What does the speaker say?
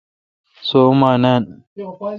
سو اوماں نان